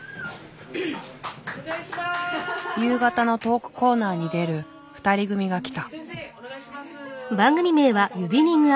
夕方のトークコーナーに出る２人組が来た。